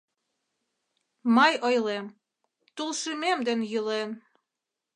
Мый ойлем Тул шӱмем ден Йӱлен.